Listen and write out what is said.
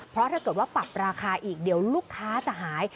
เพราะถ้าเกิดว่าปรับราคาอีกเดี๋ยวลูกค้าจะหาย